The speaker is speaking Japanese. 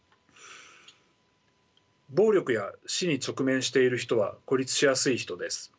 暴力や死に直面している人は孤立しやすい人です。